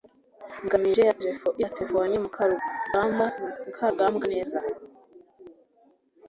ngamije yaterefonnye mukarugambwa neza